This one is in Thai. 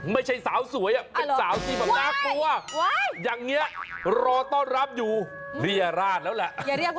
ไม่ใช่สาวสวยเป็นสาวที่แบบน่ากลัวอย่างนี้รอต้อนรับอยู่เรียราชแล้วแหละ